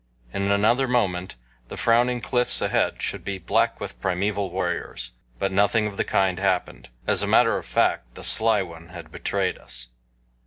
In another moment the frowning cliffs ahead should be black with primeval warriors. But nothing of the kind happened as a matter of fact the Sly One had betrayed us.